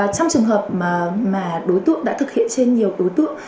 trong trường hợp mà đối tượng đã thực hiện trên nhiều đối tượng